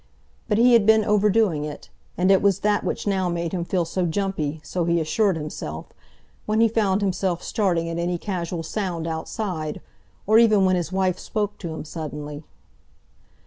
But he had been overdoing it, and it was that which now made him feel so "jumpy," so he assured himself, when he found himself starting at any casual sound outside, or even when his wife spoke to him suddenly.